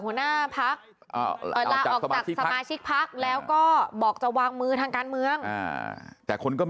คุณแล้วก็บอกว่ามือทางการเมือง